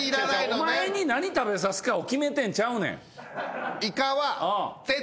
お前に何食べさすかを決めてんちゃうねん。